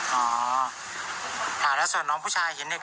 วันนี้คือส่วนที่น้องผู้หญิงเห็นแบบนี้เนอะ